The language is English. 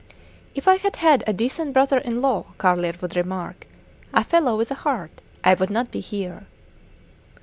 If I had had a decent brother in law, Carlier would remark, a fellow with a heart, I would not be here.